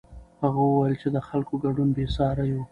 هغه وویل چې د خلکو ګډون بېساری و.